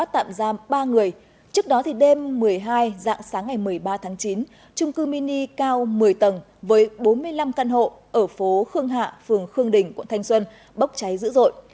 tạm giam ba người trước đó thì đêm một mươi hai dạng sáng ngày một mươi ba tháng chín trung cư mini cao một mươi tầng với bốn mươi năm căn hộ ở phố khương hạ phường khương đình quận thanh xuân bốc cháy dữ dội